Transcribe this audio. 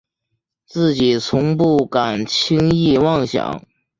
自己从不敢轻易妄想